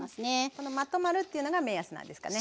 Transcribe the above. このまとまるっていうのが目安なんですかね。